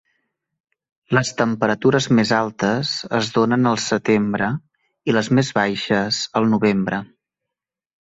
Les temperatures més altes es donen al setembre i les més baixes al novembre.